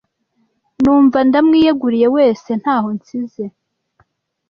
numva ndamwiyeguriye wese ntaho nsize